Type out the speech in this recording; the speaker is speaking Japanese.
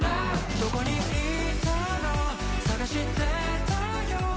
「どこにいたの探してたよ」